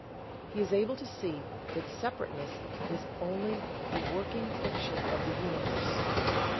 He is able to see that separateness is only "the working fiction of the Universe."